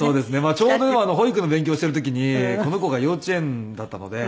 ちょうど保育の勉強をしている時にこの子が幼稚園だったので。